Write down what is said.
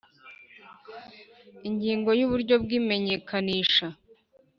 Ingingo y uburyo bw imenyekanisha